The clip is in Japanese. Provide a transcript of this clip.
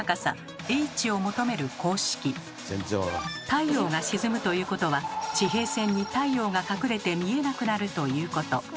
太陽が沈むということは地平線に太陽が隠れて見えなくなるということ。